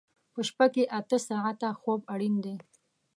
په شپه کې اته ساعته خوب اړین دی.